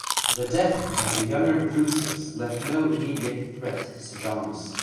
The death of the Younger Drusus left no immediate threat to Sejanus.